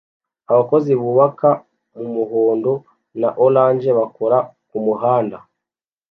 Abakozi bubaka mumuhondo na orange bakora kumuhanda